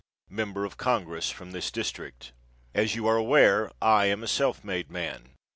member of congress from this district. As you are aware, I am a self made man.